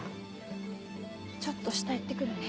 ちょっと下行ってくるね。